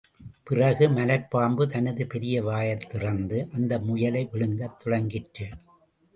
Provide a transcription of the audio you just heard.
பிறகு, மலைப்பாம்பு தனது பெரிய வாயைத் திறந்து, அந்த முயலை விழுங்கத் தொடங்கிற்று.